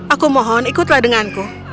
aku mohon ikutlah denganku